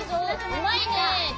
うまいね。